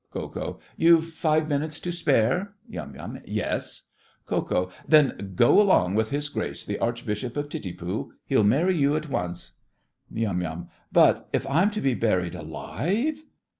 KO. You've five minutes to spare? YUM. Yes. KO. Then go along with his Grace the Archbishop of Titipu; he'll marry you at once. YUM. But if I'm to be buried alive?